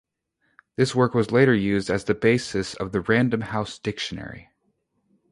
This work was later used as the basis of the "Random House Dictionary".